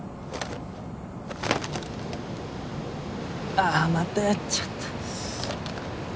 ああまたやっちゃった。